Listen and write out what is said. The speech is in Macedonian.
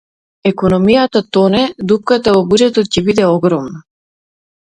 Економијата тоне, дупката во буџетот ќе биде огромна